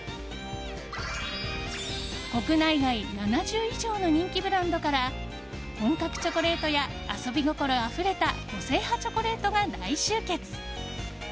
国内外７０以上の人気ブランドから本格チョコレートや遊び心あふれた個性派チョコレートが大集結。